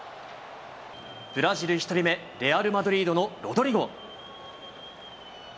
ブラジル１人目、レアル・マドリードのロドリゴ。